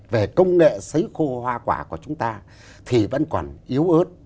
về công nghệ xấy khô hoa quả của chúng ta thì vẫn còn yếu ớt